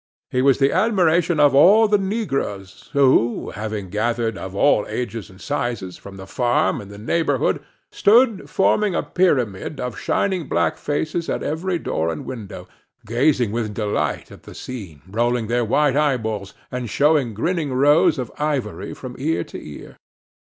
He was the admiration of all the negroes; who, having gathered, of all ages and sizes, from the farm and the neighborhood, stood forming a pyramid of shining black faces at every door and window, gazing with delight at the scene, rolling their white eyeballs, and showing grinning rows of ivory from ear to ear.